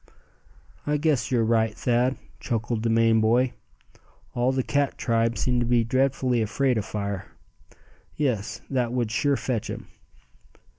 "I guess you're right, Thad," chuckled the Maine boy. "All the cat tribe seem to be dreadfully afraid of fire. Yes, that would sure fetch him."